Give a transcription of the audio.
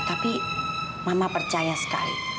tapi mama percaya sekali